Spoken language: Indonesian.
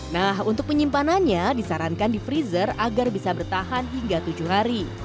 nah untuk penyimpanannya disarankan di freezer agar bisa bertahan hingga tujuh hari